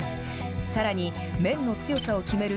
さらに麺の強さを決める